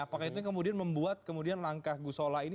apakah itu yang kemudian membuat kemudian langkah gusola ini